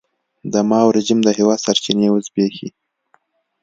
د ماوو رژیم د هېواد سرچینې وزبېښي.